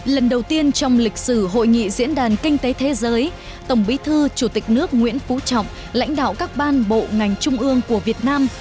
lần đầu tiên trong lịch sử hội nghị diễn đàn kinh tế thế giới tổng bí thư chủ tịch nước nguyễn phú trọng lãnh đạo các ban bộ ngành trung ương của việt nam